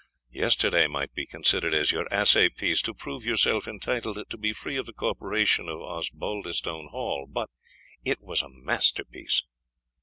Yesterday might be considered as your assay piece, to prove yourself entitled to be free of the corporation of Osbaldistone Hall. But it was a masterpiece."